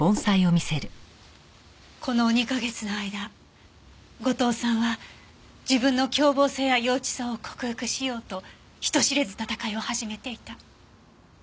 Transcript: この２カ月の間後藤さんは自分の凶暴性や幼稚さを克服しようと人知れず戦いを始めていた。